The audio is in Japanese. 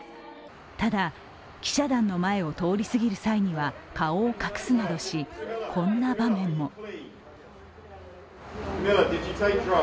ただ、記者団の前を通りすぎる際には顔を隠すなどし、こんな場面も。